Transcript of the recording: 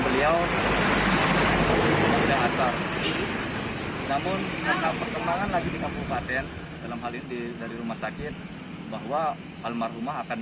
beliau tidak asal namun perkembangan lagi di kabupaten dalam hal ini dari rumah sakit bahwa almarhumah akan